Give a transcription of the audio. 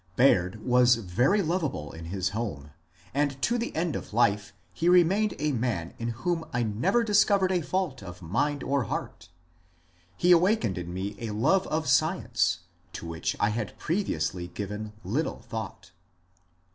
Baird was very lov able in his home, and to the end of life he remained a man in whom I never discovered a fault of mind or heart. He awak ened in me a love of science, to which I had previously given little thought.